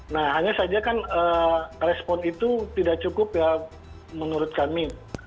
nah hanya saja kan respon itu tidak cukup ya menurut kami